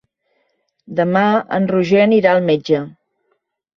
Demà en Roger anirà al metge.